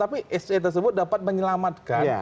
tapi se tersebut dapat menyelamatkan